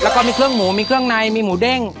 แล้วก็มีเครื่องหมูมีเครื่องในมีหมูเด้ง